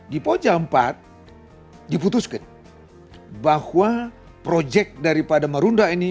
di pogja iv diputuskan bahwa projek daripada merunda ini